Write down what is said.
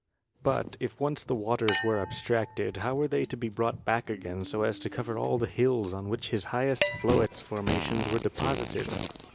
But if once the waters were abstracted, how were they to be brought back again so as to cover all the hills on which his highest Floetz formations were deposited?